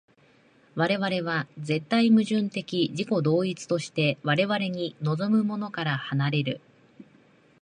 我々は絶対矛盾的自己同一として我々に臨むものから離れる。